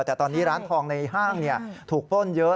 แต่ตอนนี้ร้านทองในห้างถูกปล้นเยอะ